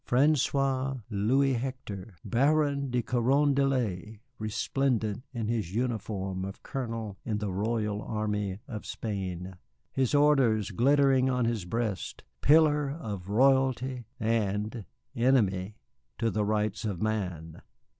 François Louis Hector, Baron de Carondelet, resplendent in his uniform of colonel in the royal army of Spain, his orders glittering on his breast, pillar of royalty and enemy to the Rights of Man!